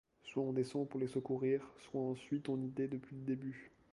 Soit on descend pour les secourir ; soit on suit ton idée depuis le début.